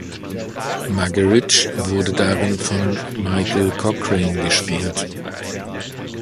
Muggeridge wurde darin von Michael Cochrane gespielt.